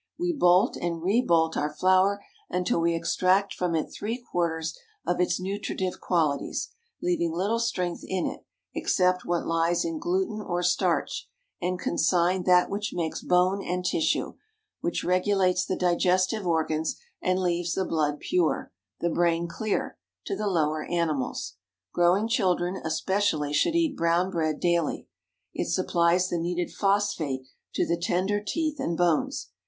We bolt and rebolt our flour until we extract from it three quarters of its nutritive qualities, leaving little strength in it except what lies in gluten or starch, and consign that which makes bone and tissue, which regulates the digestive organs, and leaves the blood pure, the brain clear, to the lower animals. Growing children especially should eat brown bread daily. It supplies the needed phosphate to the tender teeth and bones.